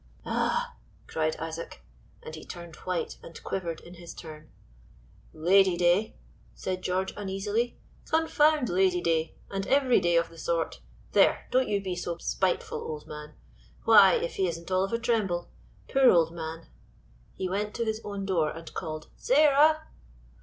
"Ah!" cried Isaac, and he turned white and quivered in his turn. "Lady day!" said George, uneasily, "Confound Lady day, and every day of the sort there, don't you be so spiteful, old man why if he isn't all of a tremble. Poor old man." He went to his own door, and called "Sarah!"